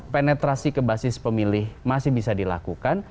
penetrasi ke basis pemilih masih bisa dilakukan